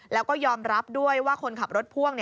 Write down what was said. แล้วก็ยอมรับด้วยว่าคนขับรถพ่วง